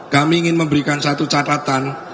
kami ingin memberikan satu catatan